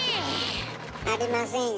ありませんよ。